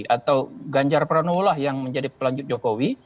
atau ganjar pranowo lah yang menjadi pelanjut jokowi